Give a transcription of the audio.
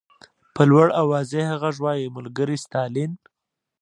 په لوړ او واضح غږ وایي ملګری ستالین.